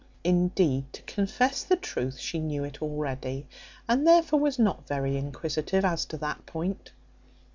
Indeed, to confess the truth, she knew it already, and therefore was not very inquisitive as to that point.